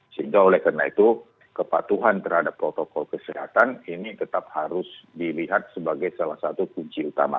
sehingga oleh karena itu kepatuhan terhadap protokol kesehatan ini tetap harus dilihat sebagai salah satu kunci utama